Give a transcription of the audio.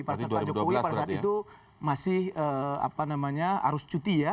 pada saat itu masih apa namanya harus cuti ya